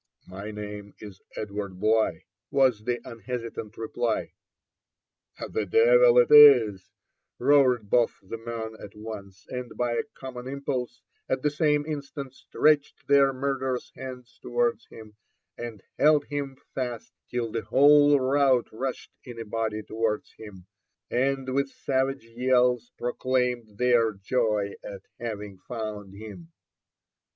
My name is Edward Bligh," was the unhesitating reply. The devil it is 1 " roared both the men at once, and, by a com mon impulse, at the same instant stretched their murderous hands to wards him and held him fast till the whole rout rushed in a body to wards him, and with savage yells proclaimed their joy at having found him.